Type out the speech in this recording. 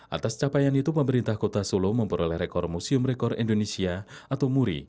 atas capaian itu pemerintah kota solo memperoleh rekor museum rekor indonesia atau muri